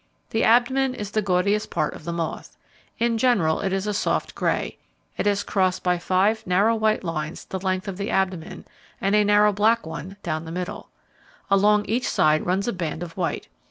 The abdomen is the gaudiest part of the moth. In general it is a soft grey. It is crossed by five narrow white lines the length of the abdomen, and a narrow black one down the middle. Along each side runs a band of white.